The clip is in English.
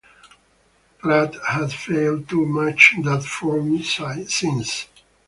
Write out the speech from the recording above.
Pratt has failed to match that form since.